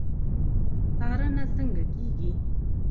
څارنه څنګه کیږي؟